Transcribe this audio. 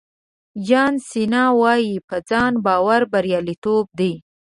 جان سینا وایي په ځان باور بریالیتوب دی.